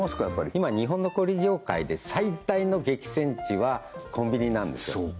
やっぱり今日本の小売り業界で最大の激戦地はコンビニなんですよ